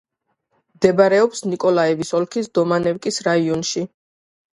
მდებარეობს ნიკოლაევის ოლქის დომანევკის რაიონში.